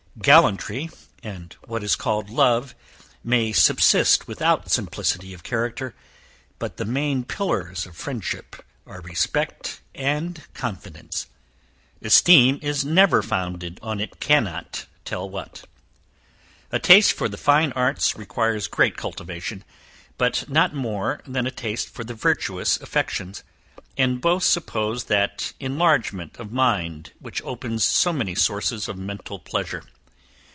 Gallantry, and what is called love, may subsist without simplicity of character; but the main pillars of friendship, are respect and confidence esteem is never founded on it cannot tell what. A taste for the fine arts requires great cultivation; but not more than a taste for the virtuous affections: and both suppose that enlargement of mind which opens so many sources of mental pleasure.